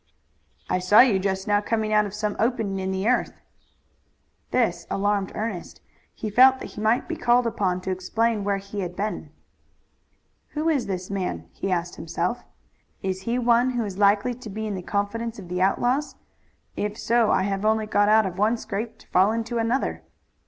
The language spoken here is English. "I saw you just now coming out of some opening in the earth." This alarmed Ernest. He felt that he might be called upon to explain where he had been. "Who is this man?" he asked himself. "Is he one who is likely to be in the confidence of the outlaws? If so I have only got out of one scrape to fall into another."